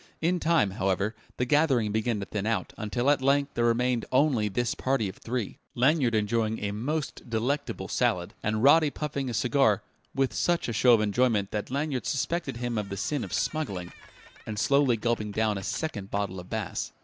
In time, however, the gathering began to thin out, until at length there remained only this party of three, Lanyard enjoying a most delectable salad, and Roddy puffing a cigar (with such a show of enjoyment that Lanyard suspected him of the sin of smuggling) and slowly gulping down a second bottle of Bass.